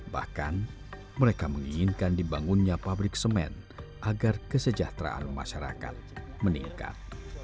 bahkan mereka menginginkan dibangunnya pabrik semen agar kesejahteraan masyarakat meningkat